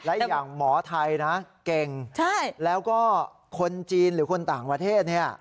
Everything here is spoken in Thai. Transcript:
และอย่างหมอไทยนะเก่งแล้วก็คนจีนหรือคนต่างประเทศเนี่ย